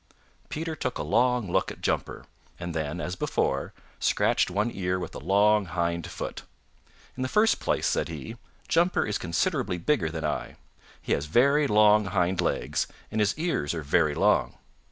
Peter took a long look at Jumper, and then, as before, scratched one ear with a long hind foot. "In the first place," said he, "Jumper is considerably bigger than I. He has very long hind legs and his ears are very long.